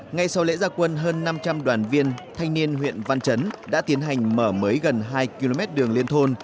ngay sau lễ gia quân hơn năm trăm linh đoàn viên thanh niên huyện văn chấn đã tiến hành mở mới gần hai km đường liên thôn